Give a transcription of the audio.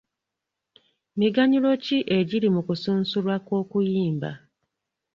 Miganyulo ki egiri mu kusunsulwa kw'okuyimba?